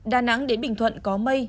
đà nẵng đến bình thuận có mây